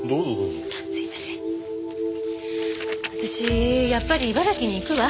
私やっぱり茨城に行くわ。